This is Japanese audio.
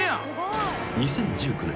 ［２０１９年。